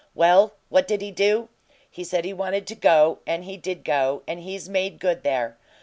Well, what did he do? He said he wanted to go. And he did go, and he's made good there.